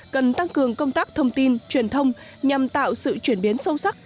cần tăng cường công tác thông tin truyền thông nhằm tạo sự chuyển biến sâu sắc